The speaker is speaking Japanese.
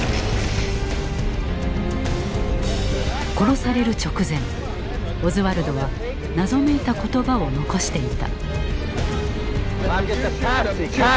殺される直前オズワルドは謎めいた言葉を残していた。